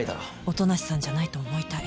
音無さんじゃないと思いたい。